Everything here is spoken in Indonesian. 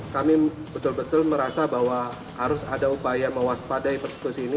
kami betul betul merasa bahwa harus ada upaya mewaspadai persekusi ini